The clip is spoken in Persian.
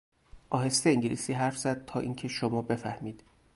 آهسته انگلیسی حرف زد تا اینکه شما بفهمید.